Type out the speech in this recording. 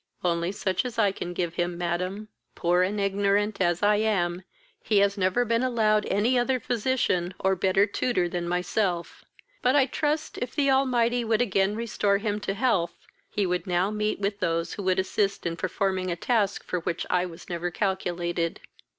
"Only such as I can give him, madam. Poor and ignorant as I am, he has never been allowed any other physician, or better tutor than myself; but I trust, if the Almighty would again restore him to health, he would now meet with those who would assist in performing a task for which I was never calculated."